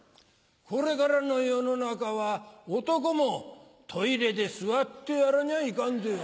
これからの世の中は男もトイレで座ってやらにゃいかんぜよ。